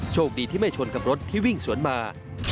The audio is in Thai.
โชคดีที่ไม่ชนกับรถที่วิ่งสวนมา